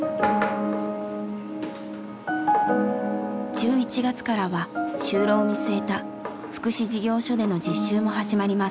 １１月からは就労を見据えた福祉事業所での実習も始まります。